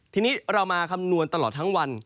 ทีนี้เรามาคำนวณตลอดทั้งวัน